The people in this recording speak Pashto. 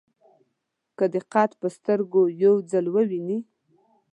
که دې قد په سترګو یو ځل وویني.